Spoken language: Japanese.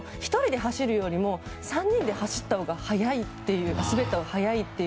１人で走るよりも３人で走ったほうが速いっていう。